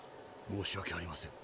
申し訳ありません。